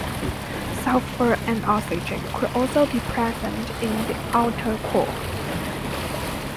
Sulfur and oxygen could also be present in the outer core.